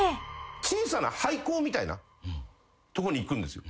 小さな廃校みたいなとこに行くんですよ。